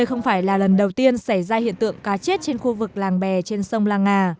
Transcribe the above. đây không phải là lần đầu tiên xảy ra hiện tượng cá chết trên khu vực làng bè trên sông la nga